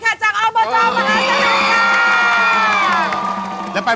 บ้างจำลองยังไม่ธรรมดียังไง